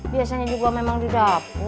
biasanya juga memang di dapur